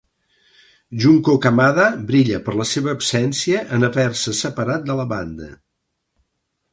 Junko Kamada brilla per la seva absència en haver-se separat de la banda.